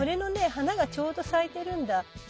花がちょうど咲いてるんだ。